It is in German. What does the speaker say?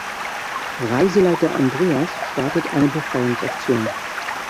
Reiseleiter Andreas startet eine Befreiungsaktion.